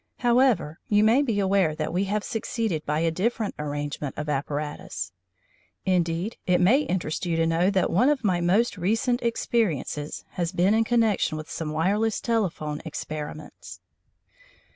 However, you may be aware that we have succeeded by a different arrangement of apparatus. Indeed it may interest you to know that one of my most recent experiences has been in connection with some wireless telephone experiments.